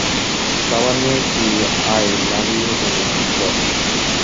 খাবার নিয়ে কি আই লাভ ইউ বলেছিল?